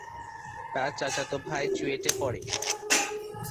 তার চাচাতো ভাই চুয়েটে পড়ে।